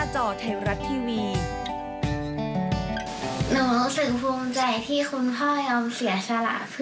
สวัสดีครับ